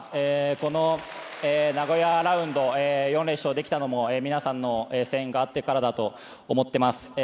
この名古屋ラウンド、４連勝できたのも皆さんの声援があったからだと思っています。